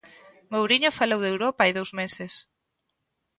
Mouriño falou de Europa hai dous meses.